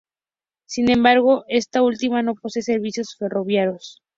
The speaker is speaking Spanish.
Sin embargo, esta última no posee servicios ferroviarios.